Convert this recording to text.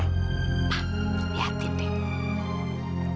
ma liatin deh